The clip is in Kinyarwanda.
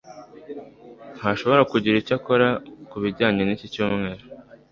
ntazashobora kugira icyo akora kubijyanye niki cyumweru.